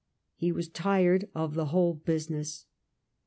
He was tired of the whole business.